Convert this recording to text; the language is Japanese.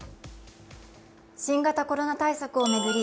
新型コロナ対策を巡り